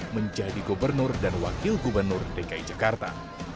menjadi gubernur dan wakil gubernur dki jakarta